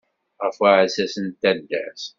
Ɣef uɛssas n taddart.